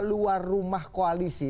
apa luar rumah koalisi